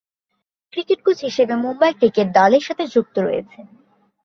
Cricket coach হিসেবে Mumbai cricket দলের সাথে যুক্ত রয়েছেন।